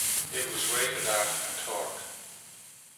It was rated at and torque.